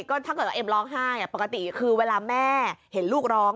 ก็ถ้าเกิดว่าเอ็มร้องไห้ปกติคือเวลาแม่เห็นลูกร้อง